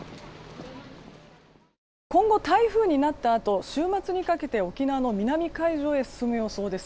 今後、台風になったあと週末にかけて沖縄の南海上へ進む予想です。